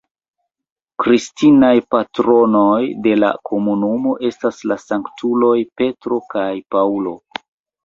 Kristanaj patronoj de la komunumo estas la sanktuloj Petro kaj Paŭlo.